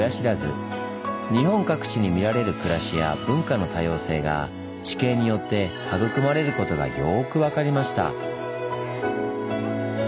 日本各地に見られる暮らしや文化の多様性が地形によって育まれることがよく分かりました。